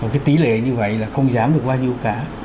cái tỷ lệ như vậy là không giảm được bao nhiêu cả